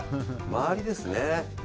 回りですね。